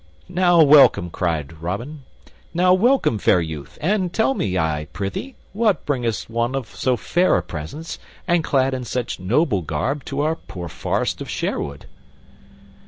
"Now, welcome!" cried Robin. "Now, welcome, fair youth, and tell me, I prythee, what bringeth one of so fair a presence and clad in such noble garb to our poor forest of Sherwood?"